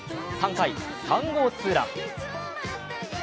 ３回、３号ツーラン。